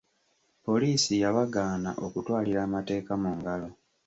Poliisi yabagaana okutwalira amateeka mu ngalo.